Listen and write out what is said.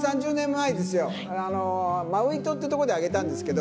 マウイ島ってとこで挙げたんですけど。